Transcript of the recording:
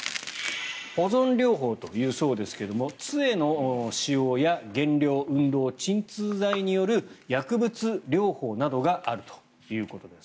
保存療法というそうですが杖の使用や減量、運動鎮痛剤による薬物療法などがあるということです。